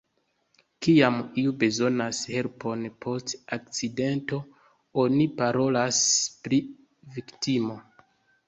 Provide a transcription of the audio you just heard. Kiam iu bezonas helpon post akcidento, oni parolas pri viktimo.